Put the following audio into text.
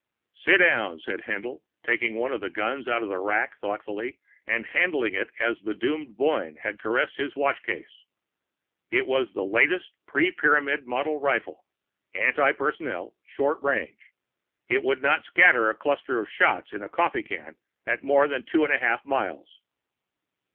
"Sit down," said Haendl, taking one of the guns out of the rack thoughtfully and handling it as the doomed Boyne had caressed his watch case. It was the latest pre Pyramid model rifle, anti personnel, short range. It would not scatter a cluster of shots in a coffee can at more than two and a half miles.